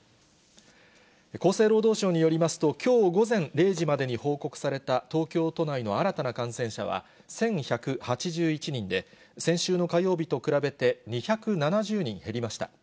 厚生労働省によりますと、きょう午前０時までに報告された東京都内の新たな感染者は１１８１人で、先週の火曜日と比べて２７０人減りました。